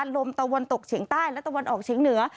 ลมตะวันตกเฉียงใต้และตะวันออกเฉียงเหนือ